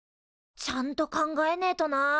ちゃんと考えねえとな。